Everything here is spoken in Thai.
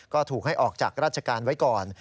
ก็ถูกให้ออกจากราชการไว้ก่อน